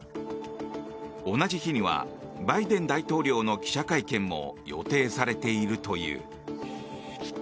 同じ日にはバイデン大統領の記者会見も予定されているという。